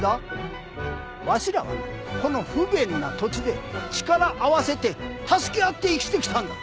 わしらはこの不便な土地で力合わせて助け合って生きてきたんだ。